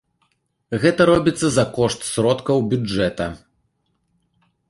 Гэта робіцца за кошт сродкаў бюджэта.